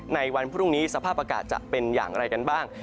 ในวันพรุ่งนี้สภาพอากาศจะเป็นอย่างไรกันบ้าง